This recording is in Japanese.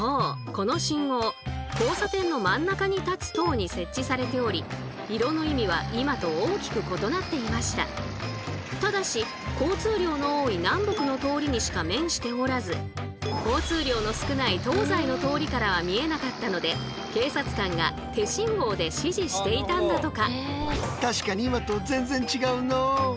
この信号交差点の真ん中に立つ塔に設置されておりただし交通量の多い南北の通りにしか面しておらず交通量の少ない東西の通りからは見えなかったので警察官が手信号で指示していたんだとか。